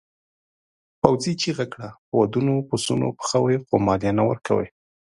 پوځي چیغه کړه په ودونو پسونه پخوئ خو مالیه نه ورکوئ.